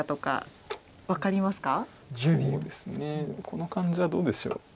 この感じはどうでしょう。